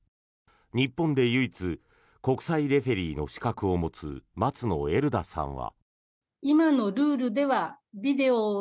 日本で唯一国際レフェリーの資格を持つ松野えるださんは。